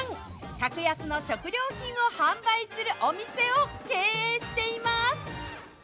格安の食料品を販売するお店を経営しています。